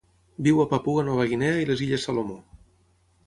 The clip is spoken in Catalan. Viu a Papua Nova Guinea i les Illes Salomó.